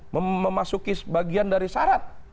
memasuki bagian dari syarat